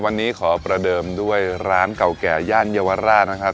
วันนี้ขอประเดิมด้วยร้านเก่าแก่ย่านเยาวราชนะครับ